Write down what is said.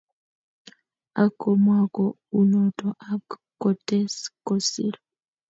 Ak komwaa ko unoto ak kotes kosiir